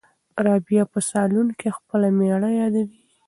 رابعه په صالون کې خپله مېړه یادوي.